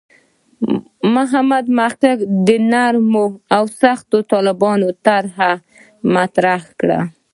محمد محق د نرمو او سختو طالبانو طرح مطرح کړه.